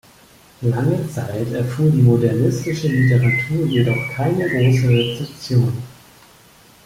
Lange Zeit erfuhr die modernistische Literatur jedoch keine große Rezeption.